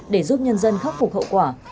để giúp nhân dân khắc phục hậu quả